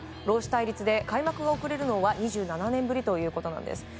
労使対立で開幕が遅れるのは２７年ぶりということなんです。